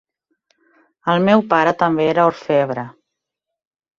El meu pare també era orfebre.